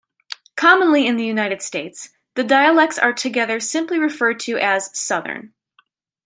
Commonly in the United States, the dialects are together simply referred to as Southern.